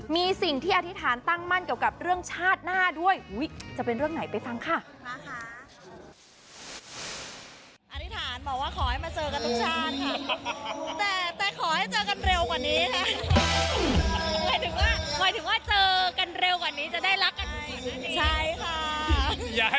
มีสิ่งที่อธิษฐานตั้งมั่นเกี่ยวกับเรื่องชาติหน้าด้วยจะเป็นเรื่องไหนไปฟังค่ะ